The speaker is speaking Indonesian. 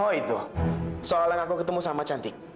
oh itu soalnya aku ketemu sama cantik